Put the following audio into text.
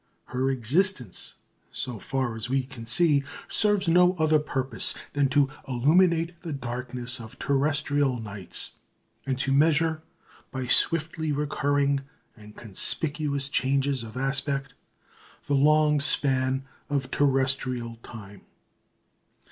Her existence, so far as we can see, serves no other purpose than to illuminate the darkness of terrestrial nights, and to measure, by swiftly recurring and conspicuous changes of aspect, the long span of terrestrial time.